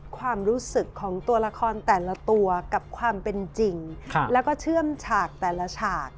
ความรู้สึกของตัวละครแต่ละตัวกับความเป็นจริงแล้วก็เชื่อมฉากแต่ละฉาก